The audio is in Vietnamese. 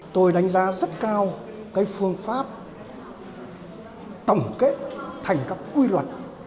tôi đánh giá rất cao cái phương pháp tổng kết thành các quy luật